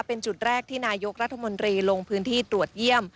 เป็นจุดแรกที่นายกรัฐมนตรีลงพื้นที่ตรวจเยี่ยม